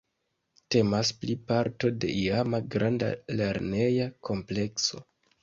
Temas pli parto de iama, granda lerneja komplekso.